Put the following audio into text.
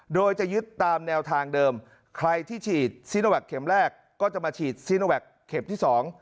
โดยจะยึดตามแนวทางเดิมใครที่ฉีดซีโนแวคเข็มแรกก็จะมาฉีดซีโนแวคเข็มที่สอง